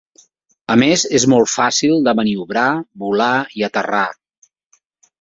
A més és molt fàcil de maniobrar, volar i aterrar.